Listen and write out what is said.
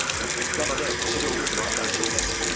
なのでお尻をほぐすのは大事ですね。